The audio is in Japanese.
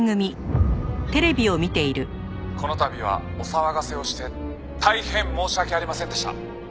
「この度はお騒がせをして大変申し訳ありませんでした」